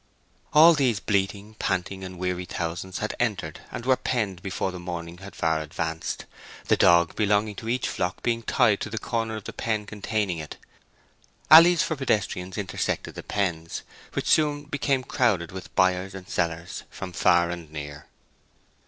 All these bleating, panting, and weary thousands had entered and were penned before the morning had far advanced, the dog belonging to each flock being tied to the corner of the pen containing it. Alleys for pedestrians intersected the pens, which soon became crowded with buyers and sellers from far and near.